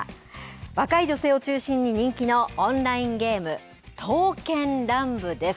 若い女性を中心に人気のオンラインゲーム刀剣乱舞です。